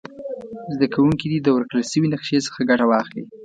زده کوونکي دې د ورکړ شوې نقشي څخه ګټه واخلي.